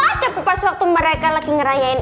ada kupas waktu mereka lagi ngerayain